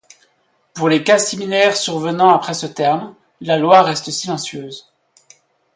Pour les cas similaires survenant après ce terme, la loi reste silencieuse.